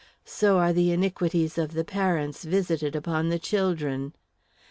So are the iniquities of the parents visited upon the children.